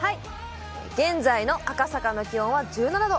現在の赤坂の気温は１７度。